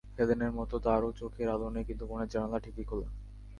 হেলেনের মতো তাঁরও চোখের আলো নেই, কিন্তু মনের জানালা ঠিকই খোলা।